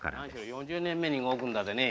４０年目に動くんだでね。